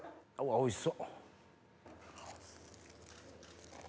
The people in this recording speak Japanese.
おいしそ！